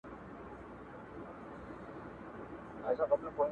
o جنگ چي نه کوي، لو ډبره اخلي!